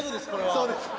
そうです。